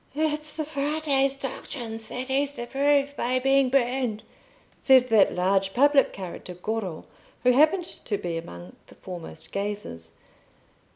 "It's the Frate's doctrines that he's to prove by being burned," said that large public character Goro, who happened to be among the foremost gazers.